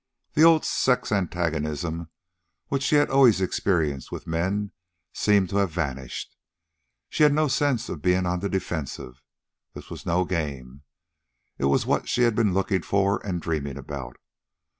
The old sex antagonism which she had always experienced with men seemed to have vanished. She had no sense of being on the defensive. This was no game. It was what she had been looking for and dreaming about.